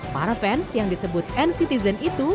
para fans yang disebut nctzen itu